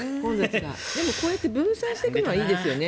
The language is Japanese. でも、こうやって分散していくのはいいですよね。